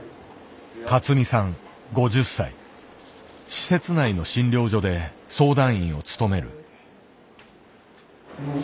施設内の診療所で相談員を務める。